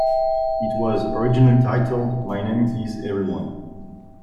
It was originally titled "My Name is Everyone".